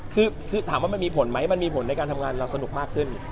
คือถามว่ามันมีผลไหมมันมีผลในการทำงานเราสนุกมากขึ้น